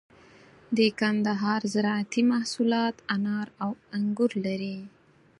د کندهار زراعتي محصولات انار او انگور دي.